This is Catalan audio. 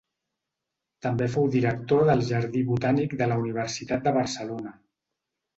També fou director del Jardí Botànic de la Universitat de Barcelona.